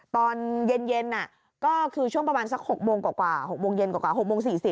ตอนเย็นก็คือช่วงประมาณสัก๖โมงกว่า๖โมงเย็นกว่า๖โมง๔๐